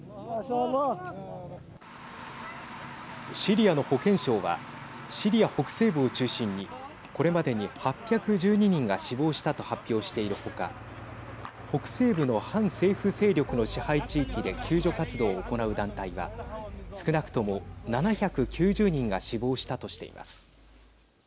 シリアの保健省はシリア北西部を中心にこれまでに８１２人が死亡したと発表している他北西部の反政府勢力の支配地域で救助活動を行う団体は少なくとも７９０人が死亡したとしています。